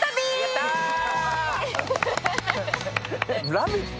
「ラヴィット！」